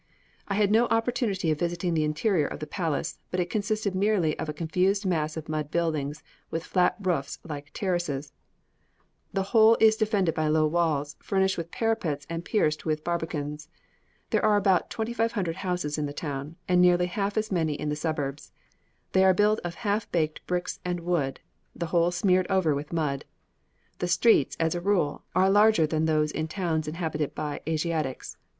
I had no opportunity of visiting the interior of the palace, but it consists merely of a confused mass of mud buildings with flat roofs like terraces; the whole is defended by low walls, furnished with parapets and pierced with barbicans. There are about 2500 houses in the town, and nearly half as many in the suburbs. They are built of half baked bricks and wood, the whole smeared over with mud. The streets, as a rule, are larger than those in towns inhabited by Asiatics.